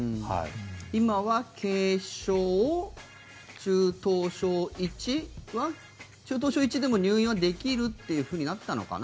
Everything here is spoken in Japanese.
今は軽症、中等症１中等症１でも入院はできるというふうになったのかな？